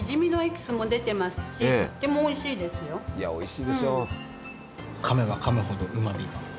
いやおいしいでしょう！